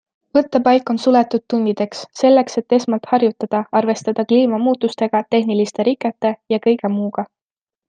Võttepaik on suletud tundideks, selleks et esmalt harjutada, arvestada kliimamuutustega, tehniliste rikete ja kõige muuga.